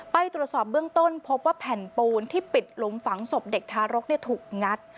ไปตรวจสอบเบื้องต้นพบว่าแผ่นปูนที่ปิดหลุมฝังศพเด็กทารกถูกงัด